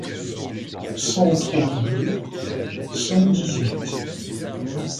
cent trente-deux cent dix-huit.